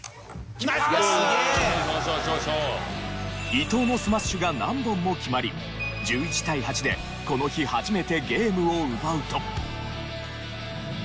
伊藤のスマッシュが何本も決まり１１対８でこの日初めてゲームを奪うと。